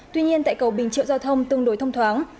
tuy nhiên tại cầu bình triệu giao thông tương đối thông thoáng